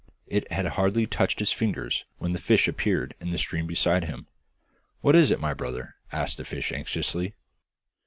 It had hardly touched his fingers when the fish appeared in the stream beside him. 'What is it, my brother?' asked the fish anxiously.